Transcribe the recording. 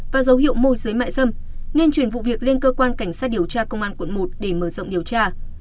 và dấu hiệu môi giới mại dâm nên chuyển vụ việc lên cơ quan cảnh sát điều tra công an quận một để mở rộng điều tra